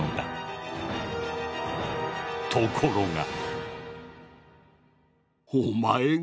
ところが。